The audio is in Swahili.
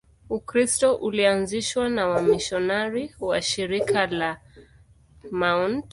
Ukristo ulianzishwa na wamisionari wa Shirika la Mt.